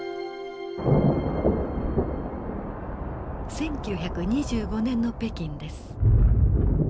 １９２５年の北京です。